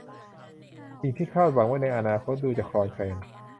สิ่งที่คาดหวังไว้ในอนาคตดูจะคลอนแคลน